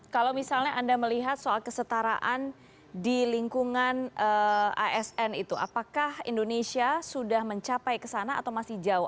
kalau misalnya anda melihat soal kesetaraan di lingkungan asn itu apakah indonesia sudah mencapai ke sana atau masih jauh